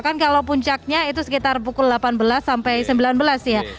kan kalau puncaknya itu sekitar pukul delapan belas sampai sembilan belas ya